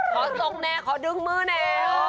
ขอทรงแน่ขอดึงมือแน่